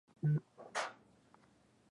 Vitabu vya kudadisi ni vingi.